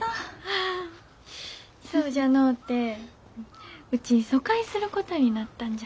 ああそうじゃのうてうち疎開することになったんじゃ。